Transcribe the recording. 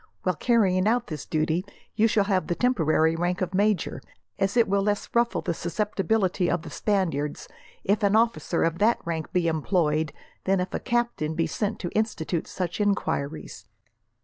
While carrying out this duty you shall have the temporary rank of major, as it will less ruffle the susceptibility of the Spaniards, if an officer of that rank be employed, than if a captain be sent to institute such enquiries.